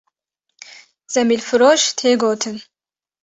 Zembîlfiroş tê gotin